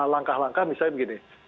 langkah langkah misalnya begini